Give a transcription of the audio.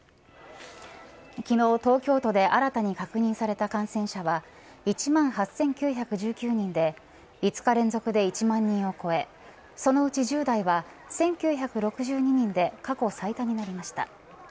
昨日、東京都で新たに確認された感染者は１万８９１９人で５日連続で１万人を超えそのうち１０代は１９６２人で過去最多になりました。